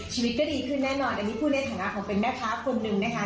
ชีวิตก็ดีขึ้นแน่นอนอันนี้พูดในฐานะของเป็นแม่ค้าคนหนึ่งนะคะ